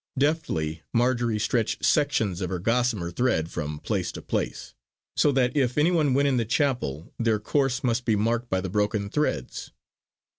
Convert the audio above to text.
Deftly Marjory stretched sections of her gossamer thread from place to place, so that if any one went in the chapel their course must be marked by the broken threads.